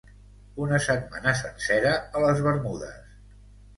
Una setmana sencera a les Bermudes.